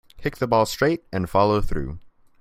Kick the ball straight and follow through.